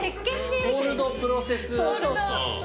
コールドプロセスソープ。